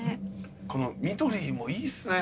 この緑もいいっすね